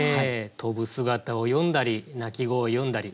飛ぶ姿を詠んだり鳴き声を詠んだり。